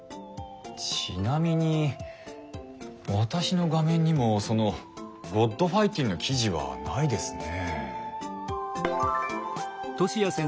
ちなみに私の画面にもその「ｇｏｄファイティン」の記事はないですね。